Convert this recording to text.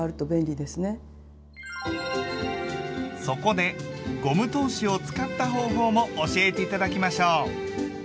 そこでゴム通しを使った方法も教えて頂きましょう！